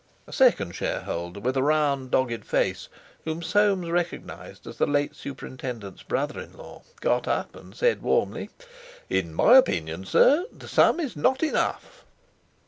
A second shareholder, with a round, dogged face, whom Soames recognised as the late superintendent's brother in law, got up and said warmly: "In my opinion, sir, the sum is not enough!"